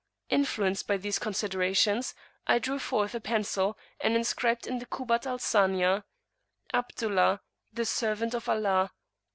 Influenced by these considerations, I drew forth a pencil and inscribed in the Kubbat al Sanaya, [Arabic text] "Abdullah, the servant of Allah."